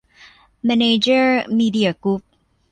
แมเนเจอร์ มีเดีย กรุ๊ป